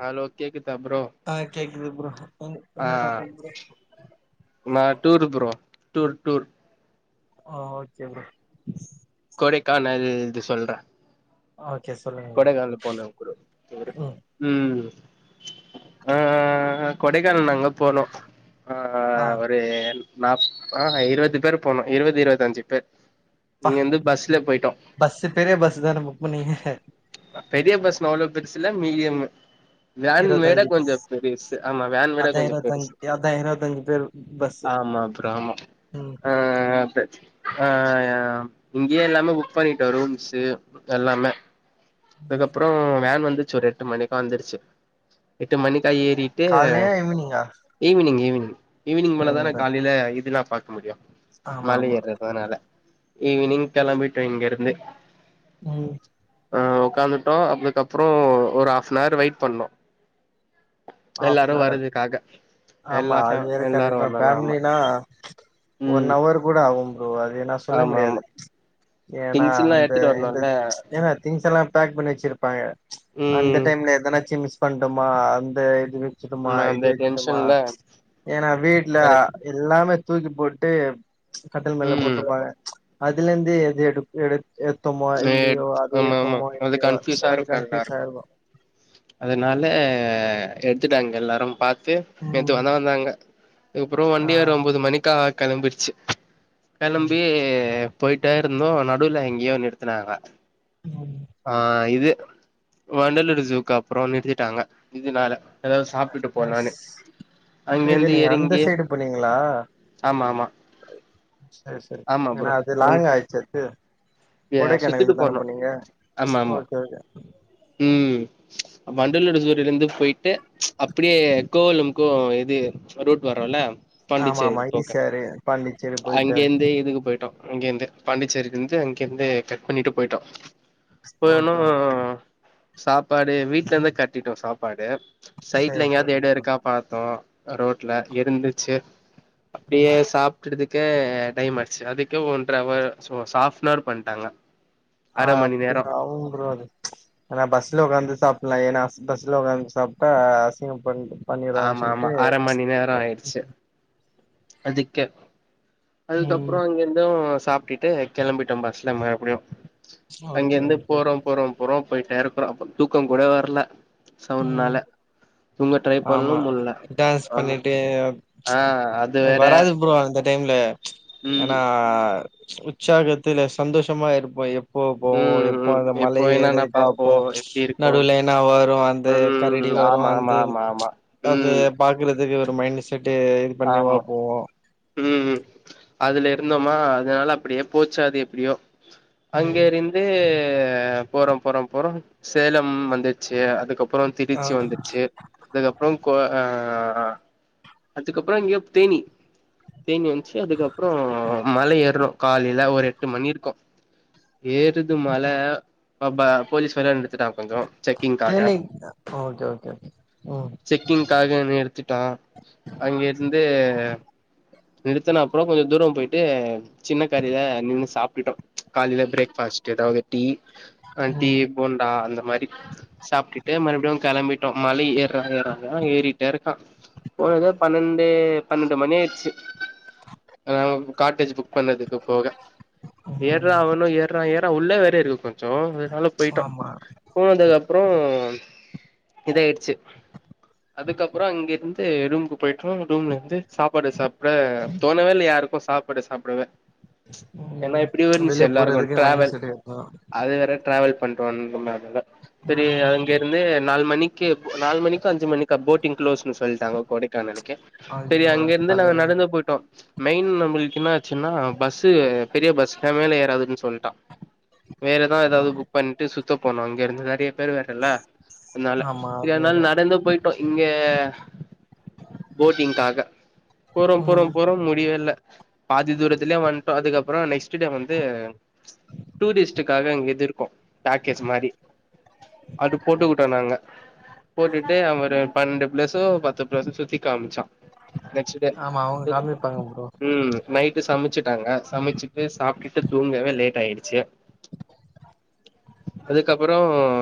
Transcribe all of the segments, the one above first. Hello கேக்குதா bro ஆ கேக்குது ப்ரோ ஆ என்ன topic bro tour bro tour tour ஆ ஓகே ப்ரோ கொடைக்கானல் ன்று சொல்றே ஓ கொடைக்கானல் போன ப்ரோ ப்ரோ ம் ம் ஆ கொடைக்கானல் நாங்க போனோ ஆ ஒரு நா ஆஹா இருவது பேரு போனோ இருவது இருவத்து அஞ்சு பேர் பா இங்கருந்து பஸ்ல போயிட்டோ பஸ்சு பெரிய பஸ் தானே புக் பண்ணிங்க பெரிய பஸ்ன்ன அவ்ளோ பெருசு இல்ல மீடியம் வேன் விட இருவத்தஞ்சு கொஞ்ச பஸ் பெருசு ஆமா வேன் விட அதா கொஞ்ச பெருசு இருவத்தஞ்சு அதா இருவத்தஞ்சு பேர் பஸ்ஸு ஆமா ப்ரோ ஆமா ம் ப்ரோ ஆ ஆ இங்கயே எல்லாமே புக் பண்ணிட்டோம் ரூம்ஸு எல்லாமே அதுக்கப்றோ வேன் வந் துச்சு ஒரு எட்டு மணிக்கா வந்துருச்சு எட்டு மணிக் கா ஏறிட்டு கால்லயா ஈவினிங்கா ஈவினிங் ஈவினிங் ம் ஈவினிங் மேலதான காலில இதுலா பாக்க முடியோ ஆமா மல ஆமா ஏறததுனால ஈவினிங் கெலம்பிட்ட இங்கேர்ந்து ம் ஆ உக்காந்துட்டோ அப்துக்கப்றோ ஒரு ஹாஃப்னார் வெயிட் பண்ணோ எல்லாரு ஆஃப்னர் வர்றதுக்காக எல்லா ஆமா ஃபே அது வேற எல்லாரு கரெக்ட்தா வரணுல ஆமா ஃபேமிலனா ஒன் ம் அவர் கூட ஆவும் ப்ரோ அத ஏனா சொல்ல ஆமா முடியாது ஆமா ஏனா திங்ஸ் எல்லா அந்த எடுத்துட்டு இந்த வரணுல ஏன்னா திங்க்ஸ் எல்லா பேக் பண்ணி வச்சிருப்பாங்க அந்த ம் டைம்ல ஏதனாச்சு மிஸ் பண்டமா த இது வெச்சுட்டுமா ம் அந்த இது வெக்குட்டுமா டென்ஷன்ல ஏனா வீட்ல அ கரெக்ட் எல்லாமே தூக்கிப் போட்டு கட்டில் மேல ம் போட்டுப்பாங்க அதலருந்து எது எடு எடுக் மே ஆமா ஆமா அது இல்லையோ கன்ஃப்யூஸா அது இருக்கு கன்ஃபியூஸ் எல்லாருக்கு ஆயிருக்கு அதுனால எடுத்துட்டு அங்க எல்லாரு பாத் து நேத்து ம் வந்தவங் வந்தாங்க அப்புறோ ஆ வண்டிஏற ஒம்பது மணிக்கா கெளம்பிடுச்சு ம் கெளம்பி போயிட்டே இருந்தம் நடுவில் எங்கேயும் நிறுத் த்துனாங்களா ம் ஆ இது வண்டலூரு ஜூக்கு அப்றோ நிறுத்திட்டாங்க இதுனால ஆ, சேரி சேரி அங்கேருந்து நீங்க அந்த எறங்கி சைடு போனீங்களா ஆமா ஆமா சேரி சேரி ஆமா ஏன்னா ப்ரோ அது ம் லாங்க்காயிச்சு அது யா கொடைக்கானலுக்கு சுத்திட்டு தானே போனோ போனீங்க ஆமா ஓகே ஓகே வண்டலூரு ஜூல இருந்து போயிட்டு அப்படியே கோவலம்க்கு இது ரூட் வரோல்ல ஆமா ஆமா ஈ சி ஆர்ரு பாண்டிச்சேரி போயிட்டு அங்கேந்து இதுக்கு போயிட்டோ அங்கேந்து பாண்டிச்சேரி இருந்து அங்க கேந்து கட் பண்ணிட்டு போயிட்டோம் ஓகே போய்னும் ஓகே சாப்பாடு வீட்ல இருந்து கட்டிட்டோம் சாப்பாடு து சைட்ல சரி எங்கயாவது சரிங்க எடம் ப்ரோ இருக்கா பாத்தோம் ரோட்ல இருந்துச்சு ம் அப்டியே சாப்பிட்டுதுக்கு கே டைமாச்சு அதுக்கே ஒன்ற அவர் பண்ணிட்டாங்க ஆ அப்டி அவு அது ஏனா பஸ்ல உட்காந்து சாப் ஃபுல்லா ஏனா பஸ்ல உட்காந்து சாப்ட்டா அசிங்கம் பண்ட்டு பண்ணிறாங்க ஆமா ஆமா சொல்லிட்டு அர மணி நேரோ ஆயிடுச்சு அதுக்கே அதுக்கப்பறோ ம் அங்கிருந்த சாப்பிட்டுட்டு கெளம்பிட்டோம் பஸ்ல மறுபடியு ஓகே அங்கிருந்து ஓகே ப்ரோ போறோம் போறோம் போறோம் போயிட்டே இருக்குறோம் அப்ப தூக்கம் கூட வரல ம் சவுண்ட்னால தூங்க ட்ரை ஆமா பண்ணம் முடியல டான்ஸ் ஆமா ஆ அது வேற வராது ப்ரோ இந்த டைம்ல ஏன்னா ம் உற்சாகத்துல சந்தோஷமா இருப்போ போ போம் ம் எப்போ ம் அந்த மலை எப்போ என்னன்ன ஏறது பாப்போ பாப்போம் எப்டி இருக்கு நடுவுல்ல என்னா வரும் அந்த கரடி ம் வரும் ஆமா ஆமா அந்து ஆமா ஆமா அது ம் பாக்குறது க்கு ஒரு மைண்ட் செட் ட்டு இது பண்ணிவா ஆமா போவோம் ம் அதுல இருந்தோமா அதனால அப்படியே போச்சாது எப்படியோ அங்கே ம் இருந்து போறோம் போறோம் போறோம் சேலம் வந்துச்சு அதுக்கப் பறோ ஆ திருச்சி வந்துச்சு அதுக்கப்பறம் கோ ஆ அதுக்கப்பறோ எங்கயே தேனி தேனி வந்த்ச்சு அதுக்கப்பறோ மலை ஏறுறோம் காலைல ஒரு எட்டு மணி இருக்கும் ஏறுது மலை ப ப போலீஸ் வேற நிறுத்திட்டா சொஞ்சோ செக்கிங்க்காக தேனி ஓகே ஓகே ஓகே ம் செக்கிங்க்காக நிறுத்திட்டா வந்து நிறுத்தன அப்பறோ கொஞ்சொ தூரம் போய்ட்டு சின்ன கடயில்ல நின்னு சாப்ட்டுட்டோ காலெல ப்ரேக்ஃபாஸ்ட்டு இதாவது டீ, டீ ம் போண்டா அந்த மாரி சாப்ட்டுட்டு மறுபடியு கெளம்பிட்டு ட்டோ மல ஏறாங்க ஏறாங்க ஏறிட்டேருக்கா போறத பன்னெண்டே பன்னெண்டு மணி ஆய்டுச்சும் காட்டேஜ் புக் பண்ணதுக்கு போக ம் ஏற்றா அவனும்ஏற்றா ஏற்றா உள்ளே வேற இருக்கு சோ அதனால போய்ட்டோ ஆமா போனதுக்கப்பறோ இதாய்டுச்சு அதுக்கப்பறோ அங்கெருந்து ரூம்க்கு போய்ட்டோ ரூம்ல இருந்து சாப்பாடு சாப்ட தோணவேயில்ல யாருக்கு சாப்பாடு சாப்டவே ஏன்னா ம் எப்பிடி இருந்துச்சு வெளிய எல்லாருக்கு போறதுக்கு மைண்ட் ட்ராவல் செட் இருக்கணு அது வேற ட்ராவல் பண்றோன்ற மாரியால செரி அங்க இருந்து நாலு மணிக்கு நாலு மணிக்கோ அஞ்சு மணிக்கோ போட்டிங் க்ளோஸ்ன்னு சொல்லிட்டாங்க கொடைக் கானல்லு கே செரி ஐயோ அங்க அது இருந்து நாங்க தலைவலி நடந்து போய்ட்டோ மெயின் நம்மளுக்கு என்ன ஆச்சுன்னா பஸ்ஸு பெரிய பஸ் ஏ மேல ஏறாதுன்னு சொல்ட்டா வேற தா ஆ ஏதாவது புக் பண்ட்டு சு த்து போனோ அங்கேருந்து நெறைய பெரு வேன்ல்ல அதனால ஆமா செரி அது அதனால வேற நடந்து போய்ட்டோ இங்க போட்டிங்காக போறோ போறோ ம் போறோ முடிவே இல்ல பாதி தூரத்துல்லயே வந்து டோ அதுக்கப்பொறோ நெக்ஸ்ட் டே வந்து டூரிஸ்ட்டுக்காக இங்க இது இருக்கு பேக்கேஜ் மாரி அது போட்டுக்குட்டோ நாங்க போட்டுட்டு அங்க ஒரு பன்னெண்டு ப்ளேஸ்சோ பத்து ப்ளேஸ்சோ சுத்தி காம்ச்சா நெக்ஸ்ட் டே ஆமா அவங்க காமிப்பாங்க ப்ரோ ம் நைட்டு சமச்சுட்டாங்க சமச்சுட்டு சாப்ட்டுட்டு தூங்கவே லேட் ஆயிடுச்சு அதுக்கப்பொறோ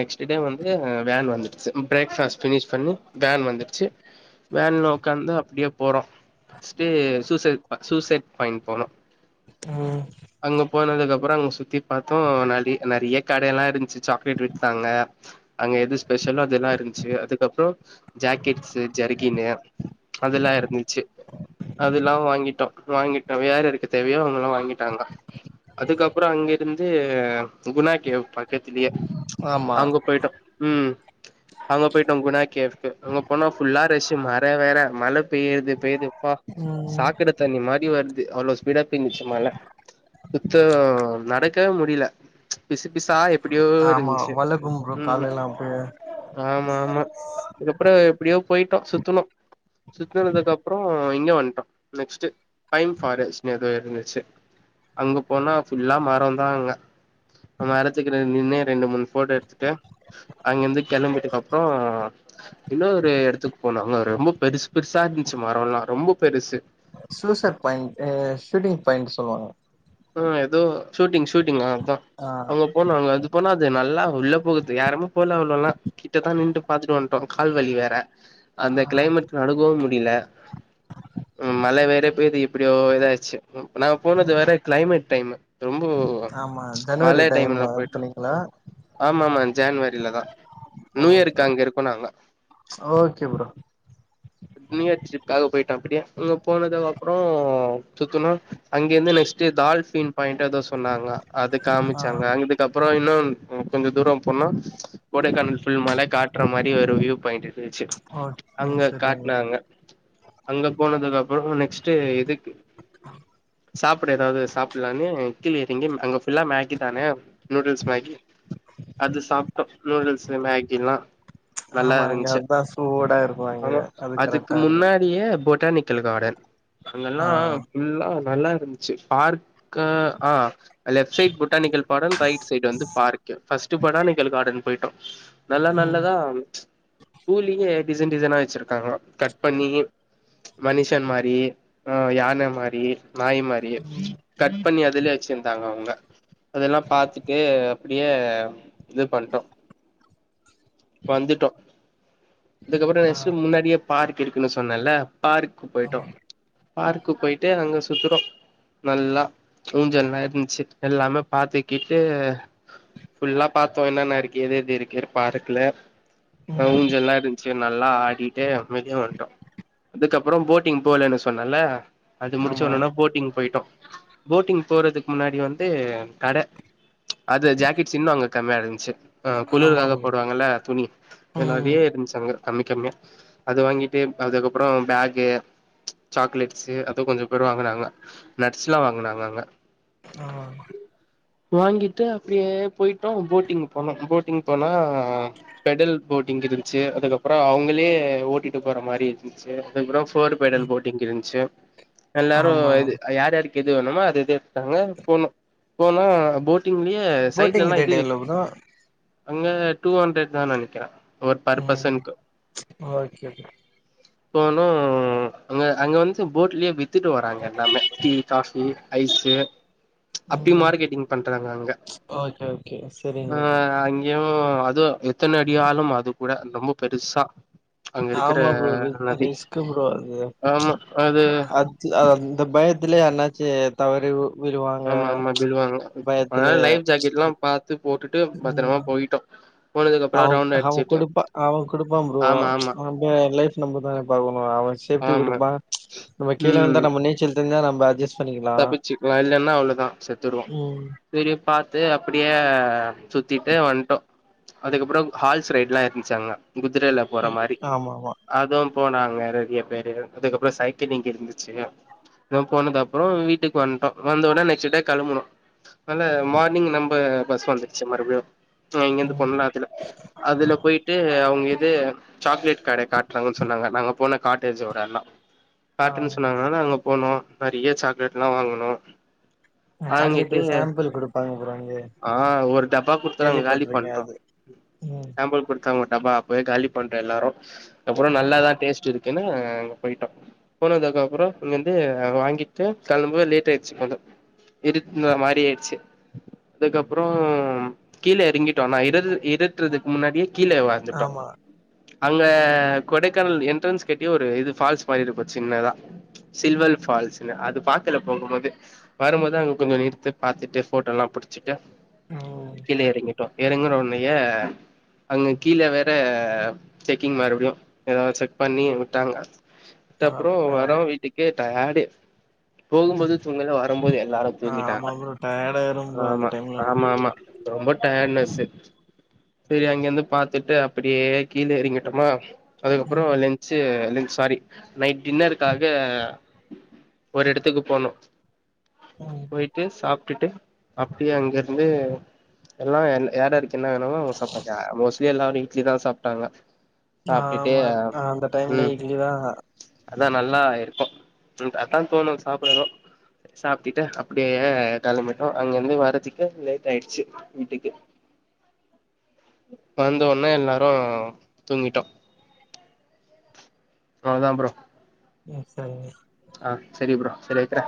நெக்ஸ்ட் டே வந்து வேன் வந்துச்சு பிரேக்ஃபாஸ்ட் ஃப்னிஷ் பண்ணி வேன் வந்துடுச்சு வேன்ல ஒக்காந்து அப்டியே போறோ நெக்ஸ்டு சூசைட் சூசைட் பாய்ண்ட் போனோ ம் அங்க போனதுக்கப்றோ அங்க சுத்தி பாத்தோ நெ நெறையா கடயெல்லா இருந்துச்சு சாக்லேட் வித்தாங்க அங்க எது ஸ்பெஷல்லோ அதெல்லா இருந்துச்சு அதுக்கப்பொறோ ஜாக்கெட் ஜருகின்னு அதெல்லா இருந்திச்சி அதெல்லா வாங்கிட்டோ வாங்கிட்டோ யார்யாருக்கு தேவயோ அவகல்லா வாங்கிட்டாங்க அதுக்கப்பறோ அங்கேருந் வந்து குணா கேவ் பக்கத்துலியே ஆமா அங்க போய்ட்டோ ம் அங்க போய்ட்டோ குணா கேவ்க்கு அங்க ஃபுல்லா ரஷ்ஷு மற வேற மழ பெய்றது பெய்து அப்பா ம் சாக்கட தண்ணி மாரி வருது து அவ்ளோ ஸ்பீடா பெஞ்சுது மழ சுத்தோ நடக்கவே முடில பிசு பிசா எப்ப எப்பிடியோ ஆமா இருந்துச்சு வளக்கும் ப்ரோ ம் காலெல்லா அப்டியே ஆமா ஆமா அதுக்கப்புறோ எப்டியோ போயிட்டோ சுத்துனோ சுத்துனதுக்கு அப்பறோ இங்க வந்துட்டோ நெக்ஸ்ட்டு பைம் ஃபாரஸ்ட்னு எதோ இருந்துச்சு அங்க போனா ஃபுல்லா மரோந்தா அங்க மரத்துக்கு நின்னு ரெண்டு மூணு ஃபோட்டோ எடுத்துட்டு அங்கயிந்து கெளம்புட்டுக்கு அப்பறோ இன்னோரு னொரு எடத்துக்கு போனோ அங்க ஒரு ரொம்ப பெருசு பெருசா இருந்துச்சு மரோல்லா ரொம்ப பெருசு சூசைட் பாயிண்ட்டு ஷூட்டிங் பாயிண்ட் சொல்லுவாங்க அ ஏதோ ஷூட்டிங் ஹூட்டிங் அ தா ஆ அங்க போனாங்க அது போனா அது நல் ல்லா உள்ள போகுது யாருமே போல அவ்ளோலா கிட்டத்தா நின்னுட்டு பாத்துட்டு வந்துட்டோம் கால்வலி வேற அந்த ஆ கிளைமேட் நடுங்கவு முடி டி இல்ல உம் மழ வேற பெய்து எப்டியோ இதாய்ர்ச்சு உம் நாங்க போனது ம் வேற க்ளாய்மிட் டைம்மு ரொம்போவ ஆமா ச்ச ஜனவரி மழே டைம் டைம்முல போய்ட்டோ போனீங்களா ஆமா ஆமா ஜென்வரிலதா நியூயேர்க்கு ஓகே அங்க இருப்போ நாங்க ஓகே ப்ரோ மீனாட்சி பாக்க போயிடோ அப்டியே அங்க போனதக அப்றோ சுத்துனோ அங்கேந்து நெக்ஸ் டு டால்ஃபின் பாயிண்ட் எதோ சொன்னாங்ளா அது ஆ காமிச்சாங்க அங்கிட்டு க புறோ இன்னோனு உ கொஞ்சோ தூரோ போன்னா கோடைக்கானல் ஃபுல் மலை காட்ற மாரி ஒரு வியூ பாயிண்ட் இருந்துருச்சு ஓகே அங்க ம் சரிங்க காட்னாங்க அங்க போனதுக்கு அப்பறோ நெக்ஸ்ட்டு இதுக்கு சாப் பூட் எதாது சாப்புல்லானு கீழே [unintelligible] அங்க ஃபுல்லா மேகி தானேவ் நூடுல்ஸ் மேகி அது சாப்ட்டோ நூடுல்ஸ்சு மேகிலா ஆமா இங்க அதா சூடா இருக்கோ அங்க அது கரெட்டா இருக்கோ டானிக்கலு கார்டன் அங்கெல்லா ஃபுல்லா நல்லா இருந் ச்சு பார் க ஆ left side botanical garden right side வந்து பாருக்யூ ஃபர்ஸ்ட் பொட்டானிக்கலு கார்டன் போயிட்டோ நல்ல ம் நல்லதா பூல்லியே டிசைன் டிசைனா வச்சிருக்காங்கோ கட் பண்ணி மனிஷன் மாரி ஆ யான மாரி நாய் மா பியே ம் கட் பண்ணி அதிலே வச்சிந்தாங்க அவுங்க அதெல்லா பாத்துட்டே அப்டியே இது பண்ட்டோ வந்துட்டோ இதுக்கப்பறோ ஆ நெக்ஸ்ட் முன்னாடியே பார்க் இருக்குன்னு சொன்னலே பார்க் போயிட்டோ ஆமா பார்க்கு போயிட்டு அங்க சுத்துறோ நல்லா ஊஞ்சல்லா இருந்திச்சு எல்லாமே பாத்திக்கிட்டு ஃபுல்லா பாத்தோ என்னன்னா இருக்கே எது எது இருக்கேனு பார்க்ல ஆ ம் ஊஞ்சல்லா இருந்துச்சு நல்லா ஆடிட்டு அமைதியா வந்ட்டோ அதுக்கப்பறோ போட்டிங் போலன்னு சொன்னலே அது ஆமா முடிச்சோனனா போட்டிங் போயிட்டோ போட்டிங் போறதுக்கு முன்னாடி வந்து கட அதுல ஜாக்கெட்ஸ் இன்னு அங்க கம்மியா இருந்துச்சு ஆ ஆமா குளுர்க்காக ப்ரோ போடுவாங்கல்லே துணி இங்க ம் நெறையா இருந்துச்சு அங்க கம்மி கம்மியா அது வாங்கிட்ம் அது அதுக்கப்பறோ பேக்கே ச்ச சாக்லேட்ஸ்சு அதும் கொஞ்ச பேரு வாங்குனாங்க நட்ஸ்லா வாங்குனாங்க அங்க ஆ வாங்கிட்டு அப்டியே போயிட்டோ போட்டிங் போனோ போட்டிங் போனா பெடல் போட்டிங்கிது இருந்துச்சு அதுக்கப்பறோ அவுங்களே ஓட்டிட்டு போற மாரி இருந்துச்சு அப்பறோ ஃபோர் பெடல் ம் போட்டிங் இருந்துச்சு எல்லாரோ ஆமா இது யாதுக் எது வேணுமோ அது இது எடுத்துடாங்க போனோ போனா போட் டிங்லியே போட்டிங் சைட்லெல்லா எது ரேட் எவ்ளோ வெக்கு ப்ரோ அங்க டூ ஹண்ட்ரட்தா நெனைக்கிறே ஒர் ம் பர்பஸன்க்கு ஓகே ப்ரோ போனோ உம் அங்க அங்க வந்து போட்லியே வித்துட்டு வராங்க எல்லாமே டீ காஃபி ஐஸ்சு ச்ச அப்டியு ம் மார்க்கெட்டிங் பண்றாங்க அங்க ஓகே ஓகே சரிங்க ஆ ப்ரோ அங்கியு உ அதுவு எத்தன அடி ஆளம் அது கூட ரொம்ப பெருசா அங்க இருக்கிற ஆமா ப்ரோ ரித்து நதி ரிஸ்க்கு ப்ரோ அது ச்ச ஆமா அது அது அந்த பய திலே அண்ணாச்சி தவறி உ ஆமா ஆமா விழுவாங்க அதனால லைஃப் ஜாக்கெட் எல்லாம் பாத்து போட்டுட்டு பத்திரமா போயிட்டோ போனதுக்கு அப்புறோ அவ ரவுண்ட் அவன் அடிச்சுட்டு கொடுப்பா அவன் கொடுப்பா ப்ரோ ஆமா ஆமா நம்ம லைஃப் நம்மதான பாக்கணும் அவன் சேப்டி ஆமா கொடுப்பா நம்ம கீழே இருந்தா நம்ம நீச்சல் தெரிஞ்சா நம் ம அட்ஜஸ் தப்பிச்சுகலாம் இல்லனா அவ்வளதா செத்துடுவோ ம். சேரி பாத்து அப்படியே சுத்திட்டு வந்துட்டோ அதுக்கப்பற ஹால்ஸ் ரைட்லாம் இருந்துச்சு அங்க குதிரையில போற ம். மாரி ஆமாமா. அதும் போனாங்க நெறைய பேரு அதுக்கப்பற சைக்கிளிங் இருந்துச்சு இவ போனது அப்புறம் வீட்டுக்கு வந்ட்டோ வந்த உடனே நெக்ஸ்ட் டே கிளம்பணு நல்ல மார்னிங் நம்ம பஸ் வந்துருச்சு மறுபடியு இங்க இருந்து ம். போனோம்லா அதுல போய்ட்டு அவங்க து சாக்லேட் கடை காட்றாங்க சொன்னாங்க நாங்க போன காட்டேஜ் ஒரு அண்ணா ஆ. காட்டுன்னு சொன்னாங்கா நாங்க போனோ நிறய சாக்லேட் எல்லா வாங்குனோ சாக்லேட் வாங்கிட்டு சாம்பிள் குடுப்பாங்க ப்ரோ அங்க. ஆ ஒரு டப்பா குடுத்தாங்க நாங்க காலி கேள்விப்பட்டுருக்கேன் பண்றோம் அது. ம். சாம்பல் குடுத் தாங்க ஒரு டப்பா அப்பயே காலி பண்டோ எல்லாரு ஆ. அப்பறம் நல்லாதா டேஸ்ட் இருக்கு னு அங்க போயிட்டோ போனதுக்க அப்றம் இங்கந்து வாங்கி ட்டு கெளம்ப லேட் ஆயிடுச்சு கொஞ்ச இருட்டுன மாரி ஆயிடுச்சு அதுக்கப்பறம் கீழே இறங்கிட்டோம் நா இற இறட்றதுக்கு முன்னாடியே கீழவந்துட்டோ ஆமா. அங்க கொடைக்கானல் என்ட்ரன்ஸ் கிட்டயே ஒரு இது ஃபால்ஸ் மாதிரி இருக்கும் சின்னதா சில்வர் ஃபால்ஸ் அது பாக்கல போகும்போது வரும்போது அங்க கொஞ்ச நிறுத்து பாத்துட்டு ஃபோட்டோ எல்லாம் புடிச்சுட்டு ம். கீழ எறிங்கிட்டோ ஏறங்கற உன்னய அங்கு கீழ வேற செக்கிங் மறுபடியு ஏதோ செக் பண்ணி விட்டாங்க அத்தப்பறம் அப்ப வரம் வீட்டுக்கு டயர்ட்டு போகும்போது துங்கல வரும்போது எல்லாரு ஆ தூங்கிட்டாங்க ஆமா ப்ரோ டயர்ட் ஆயிரும் ப்ரோ அந்த ஆமா டைம்லலாம். ஆமா ஆமா ரொம்ப டயர்ட்னஸ் சரி அங்கிருந்து பாத்துட்டு அப்படியே கீழே எறிங்கிட்டோமா அதுக்கப்பறம் ம். லென்சு லெ சாரி நைட் டின்னருக்காக ஒரு இடத்துக்கு போனு ம். போயிட்டு சாப் டுட்டு அப்படியே அங்க இருந்து எல்லா என் யார்யாருக்கு என்ன வேணுமோ அவங்க சாப்டாச்சா ஆ மோஸ்ட்லி எல்லாரு இட்லி தா சாப்ட்டாங்க ஆ சாப்ட்டுட்டு ஆமா அந்த டைம்ல ம் இங்கேதா அதா நல்லா இருக்கு உம் தஅ தான் தோணு சாப்பிடனு சாப்டுட்டு அப்படியே கிளம்பிட்டோ அங்கிருந்து வரதுக்கு லேட் ஆயிடுச்சு வீட்டுக்கு வந்தோனே எல்லாரு தூங்கிட்டோ அதா ப்ரோ சேர் சேரி ஆ செரி ப்ரோ செரி வைக்குறே